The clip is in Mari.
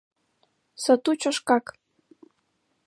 Сатучо шкак...